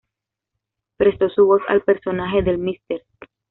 Prestó su voz al personaje del Mr.